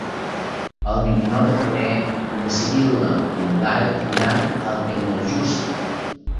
El vint-i-nou de febrer na Sibil·la i en Blai aniran a Benejússer.